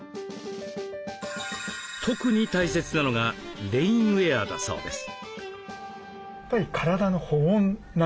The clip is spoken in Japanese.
特に大切なのがレインウエアだそうです。